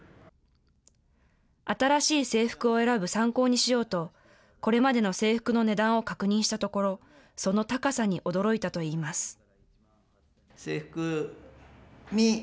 新しい制服を選ぶ参考にしようと、これまでの制服の値段を確認したところ、その高さに驚いたといいます。